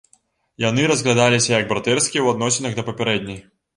Яны разглядаліся як братэрскія ў адносінах да папярэдняй.